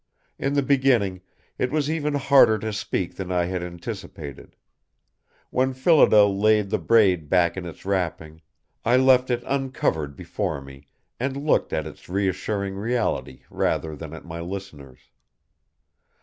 In the beginning, it was even harder to speak than I had anticipated. When Phillida laid the braid back in its wrapping, I left it uncovered before me and looked at its reassuring reality rather than at my listeners.